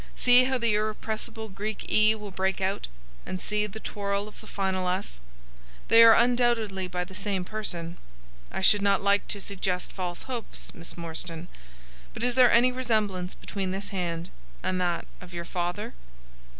See how the irrepressible Greek e will break out, and see the twirl of the final s. They are undoubtedly by the same person. I should not like to suggest false hopes, Miss Morstan, but is there any resemblance between this hand and that of your father?"